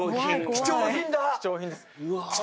貴重品だ！